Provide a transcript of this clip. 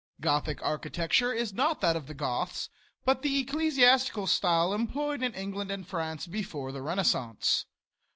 Gothic architecture is not that of the Goths, but the ecclesiastical style employed in England and France before the Renaissance.